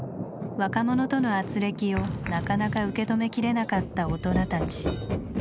若者との軋轢をなかなか受け止めきれなかった大人たち。